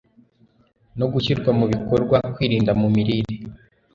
no gushyirwa mu bikorwa. Kwirinda mu mirire,